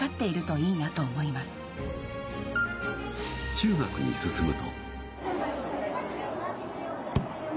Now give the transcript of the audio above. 中学に進むと。